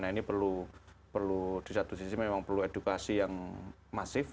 nah ini perlu di satu sisi memang perlu edukasi yang masif